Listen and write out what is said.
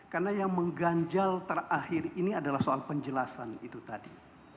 karena yang mengganjal terakhir ini adalah soal penjelasan itu tadi